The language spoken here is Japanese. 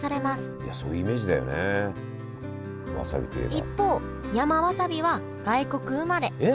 一方山わさびは外国生まれえっ！？